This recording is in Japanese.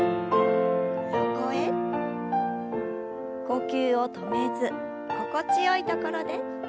呼吸を止めず心地よいところで。